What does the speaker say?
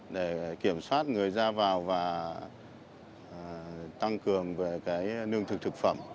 để kiểm soát người ra vào và tăng cường về lương thực thực phẩm